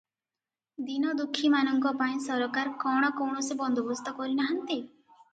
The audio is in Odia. ଦୀନଦୁଃଖୀ-ମାନଙ୍କ ପାଇଁ ସରକାର କଣ କୌଣସି ବନ୍ଦୋବସ୍ତ କରିନାହାନ୍ତି?